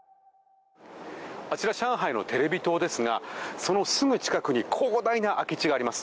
あちら上海のテレビ塔ですがそのすぐ近くに広大な空き地があります。